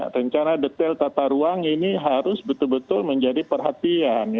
rencana detail tata ruang ini harus betul betul menjadi perhatian